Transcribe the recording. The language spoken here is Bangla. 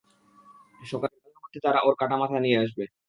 সকালের মধ্যে তারা ওর কাটা মাথা নিয়ে আসবে।